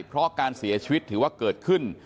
เพราะการเสียชีวิตถือว่าเกิดขึ้น